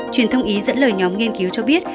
truyền thông ý dẫn lời nhóm nghiên cứu cho biết